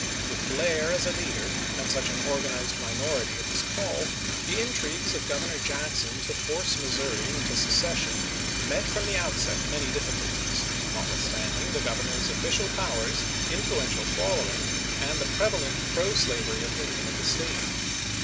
With Blair as a leader, and such an organized minority at his call, the intrigues of Governor Jackson to force Missouri into secession met from the outset many difficulties, notwithstanding the Governor's official powers, influential following, and the prevalent pro slavery opinion of the State.